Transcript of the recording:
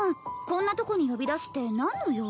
こんなとこに呼び出して何の用？